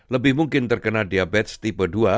lebih mungkin terkena diabetes tipe dua